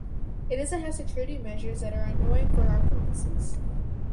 It doesn't have security measures that are annoying for our purposes